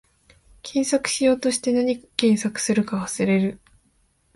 検索しようとして、なに検索するか忘れる